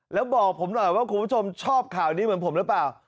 แล้วบอกผมหน่อยว่าคุณผู้ชมชอบข่าวนี้เหมือนผมหรือเปล่า